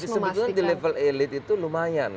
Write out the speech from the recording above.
sebetulnya di level elit itu lumayan